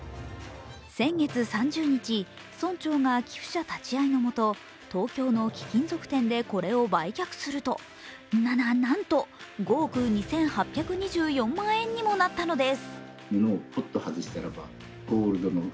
先月３０日、村長が寄付者立ち会いのもと、東京の貴金属店でこれを売却すると、な、な、なんと５億２８２４万円にもなったのです。